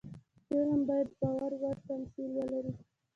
فلم باید باور وړ تمثیل ولري